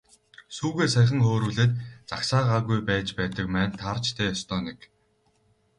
Сүүгээ саяхан хөөрүүлээд загсаагаагүй байж байдаг маань таарч дээ, ёстой нэг.